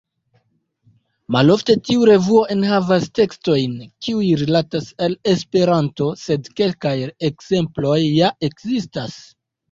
Malofte tiu revuo enhavas tekstojn kiuj rilatas al Esperanto, sed kelkaj ekzemploj ja ekzistas.